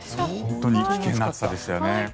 本当に危険な暑さでしたよね。